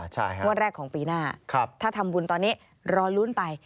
ใช่ครับครับถ้าทำบุญตอนนี้รอรุ้นไป